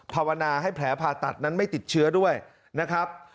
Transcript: ภาวนาให้แผลผ่าตัดนั้นไม่ติดเชื้อด้วยนะครับ